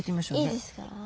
いいですか。